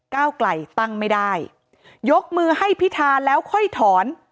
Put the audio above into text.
ก้าวไกลตั้งไม่ได้ยกมือให้พิธาแล้วค่อยถอน